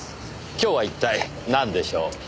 今日は一体なんでしょう？